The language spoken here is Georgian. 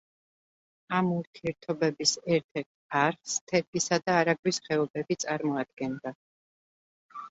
ამ ურთიერთობების ერთ-ერთ არხს თერგისა და არაგვის ხეობები წარმოადგენდა.